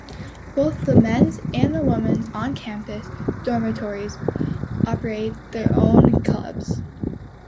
Both the men's and the women's on-campus dormitories operate their own clubs.